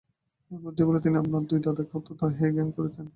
এই বুদ্ধির বলে তিনি আপনার দুই দাদাকে অত্যন্ত হেয়জ্ঞান করিতেন।